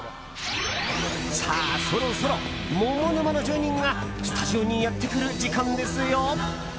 さあ、そろそろモモ沼の住人がスタジオにやってくる時間ですよ。